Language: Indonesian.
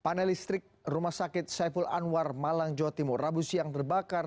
panel listrik rumah sakit saiful anwar malang jawa timur rabu siang terbakar